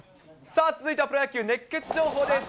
さあ、続いてはプロ野球熱ケツ情報です。